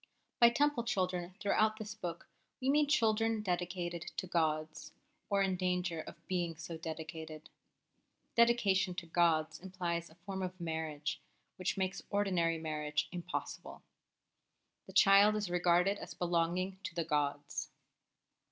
By Temple children throughout this book we mean children dedicated to gods, or in danger of being so dedicated. Dedication to gods implies a form of marriage which makes ordinary marriage impossible. The child is regarded as belonging to the gods.